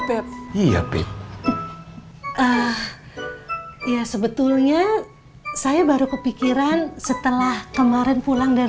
baped iapip eh iya sebetulnya saya baru kepikiran setelah kemarin pulang dari